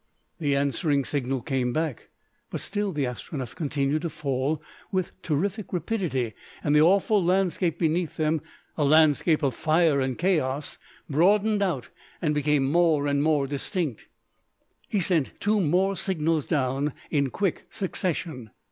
The answering signal came back, but still the Astronef continued to fall with terrific rapidity, and the awful landscape beneath them a landscape of fire and chaos broadened out and became more and more distinct. He sent two more signals down in quick succession.